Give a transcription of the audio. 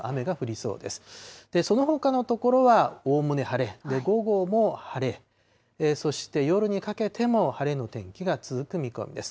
そのほかの所はおおむね晴れ、午後も晴れ、そして夜にかけても晴れの天気が続く見込みです。